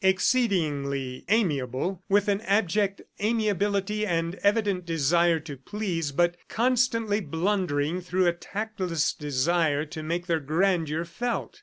Exceedingly amiable, with an abject amiability and evident desire to please, but constantly blundering through a tactless desire to make their grandeur felt.